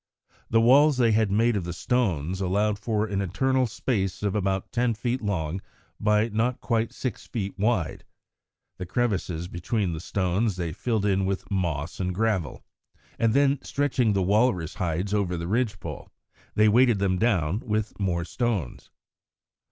The walls they had made of the stones allowed for an internal space of about ten feet long by not quite six feet wide. The crevices between the stones they filled in with moss and gravel, and then stretching the walrus hides over the ridge pole, they weighted them down with more stones.